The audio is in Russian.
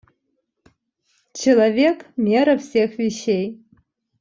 Человек — мера всех вещей.